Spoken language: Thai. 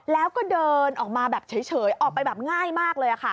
แล้วก็เดินออกมาแบบเฉยออกไปแบบง่ายมากเลยค่ะ